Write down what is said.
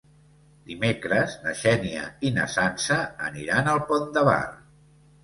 Dimecres na Xènia i na Sança aniran al Pont de Bar.